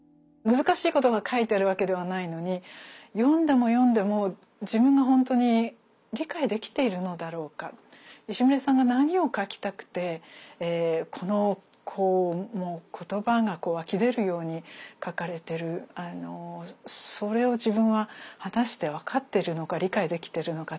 難しいことが書いてあるわけではないのに読んでも読んでも自分がほんとに理解できているのだろうか石牟礼さんが何を書きたくてこのもう言葉が湧き出るように書かれているそれを自分は果たして分かってるのか理解できてるのかって